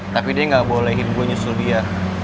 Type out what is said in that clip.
tapi dia nggak bolehin gue nyusul dia